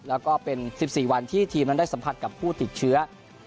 แล้วก็เป็น๑๔วันที่ทีมนั้นได้สัมผัสกับผู้ติดเชื้อ